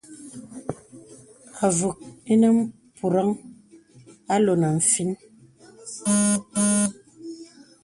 Àvùk ìnə mpùraŋ a loŋə nfīn.